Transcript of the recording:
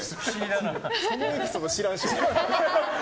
そのエピソード知らんし、俺。